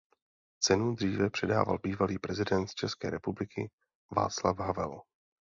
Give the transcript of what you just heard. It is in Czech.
Cenu dříve předával bývalý prezident České republiky Václav Havel.